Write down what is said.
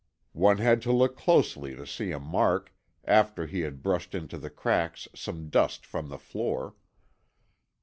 One had to look closely to see a mark, after he had brushed into the cracks some dust from the floor.